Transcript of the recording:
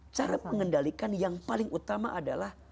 cara mengendalikan yang paling utama adalah